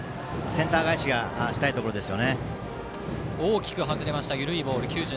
センター返しがしたいところです。